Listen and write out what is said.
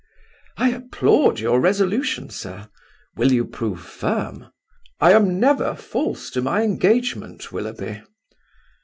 "I applaud your resolution, sir. Will you prove firm?" "I am never false to my engagement, Willoughby."